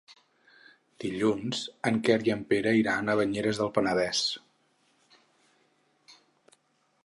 Dilluns en Quer i en Pere iran a Banyeres del Penedès.